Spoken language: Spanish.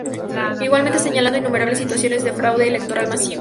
Igualmente señalando innumerables situaciones de fraude electoral masivo.